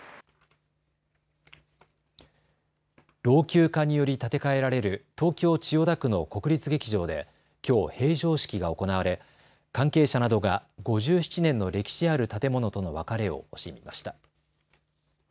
老朽化により建て替えられる東京千代田区の国立劇場できょう閉場式が行われ関係者などが５７年の歴史ある建物との別れを惜しみました。